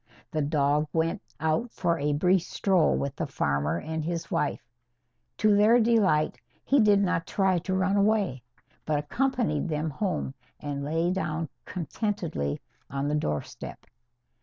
The dog went out for a brief stroll with the farmer and his wife. To their delight, he did not try to run away, but accompanied them home and lay down contentedly on the doorstep.